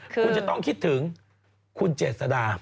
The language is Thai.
คุณจะต้องคิดถึงคุณเจษดา